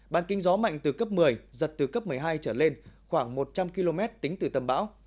bàn kinh gió mạnh từ cấp một mươi giật từ cấp một mươi hai trở lên khoảng một trăm linh km tính từ tâm bão